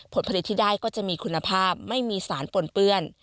ผลผลิตที่ได้ก็จะมีคุณภาพไม่มีสารปนเปื้อน